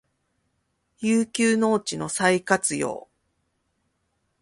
遊休農地の再活用